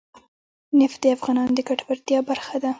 نفت د افغانانو د ګټورتیا برخه ده.